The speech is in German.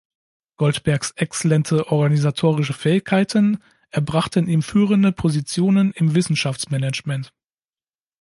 Goldbergs exzellente organisatorische Fähigkeiten erbrachten ihm führende Positionen im Wissenschaftsmanagement.